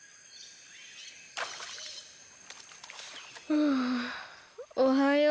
はあおはよう。